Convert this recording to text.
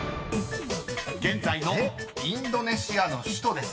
［現在のインドネシアの首都です］